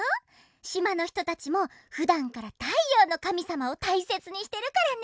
しまのひとたちもふだんからたいようのかみさまをたいせつにしてるからね。